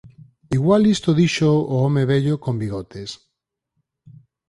Igual isto díxoo o home vello con bigotes...